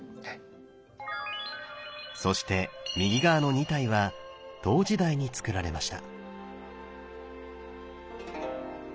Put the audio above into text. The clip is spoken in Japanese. そして右側の２体は唐時代につくられました。